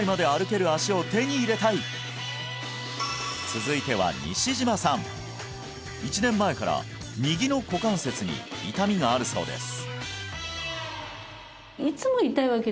続いては１年前から右の股関節に痛みがあるそうです